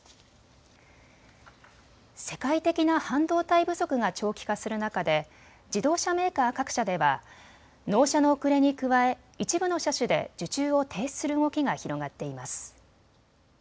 世界的な半導体不足が長期化する中で自動車メーカー各社では納車の遅れに加え一部の車種で受注を停止する動きが広がっています。